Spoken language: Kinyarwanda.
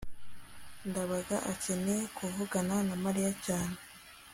ndabaga akeneye kuvugana na mariya cyane